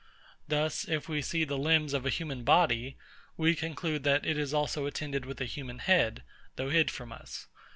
Thus, if we see the limbs of a human body, we conclude that it is also attended with a human head, though hid from us.